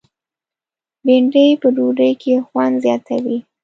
بېنډۍ په ډوډۍ کې خوند زیاتوي